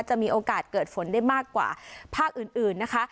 จะมีโอกาสเกิดฝนได้มากกว่าภาคอื่นนะคะ